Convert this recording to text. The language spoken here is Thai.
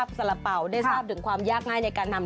นี่เราได้รางวัลอะไรมา